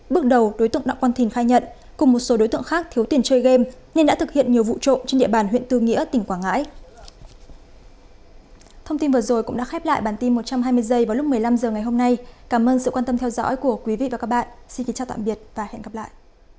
bước đầu đối tượng đặng quang thìn khai nhận cùng một số đối tượng khác thiếu tiền chơi game nên đã thực hiện nhiều vụ trộm trên địa bàn huyện tư nghĩa tỉnh quảng ngãi